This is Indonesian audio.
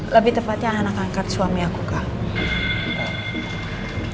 lebih tepatnya anak angkat suami aku kak